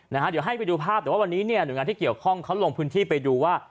เดี๋ยวให้ไปดูภาพแต่ว่าวันนี้เนี่ยหน่วยงานที่เกี่ยวข้องเขาลงพื้นที่ไปดูว่า